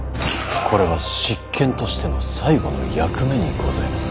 これは執権としての最後の役目にございます。